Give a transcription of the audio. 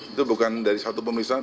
itu bukan dari satu pemeriksaan